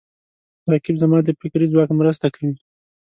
رقیب زما د فکري ځواک مرسته کوي